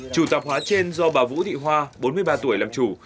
chủ tạp hóa trên do bà vũ thị hoa bốn mươi ba tuổi làm chủ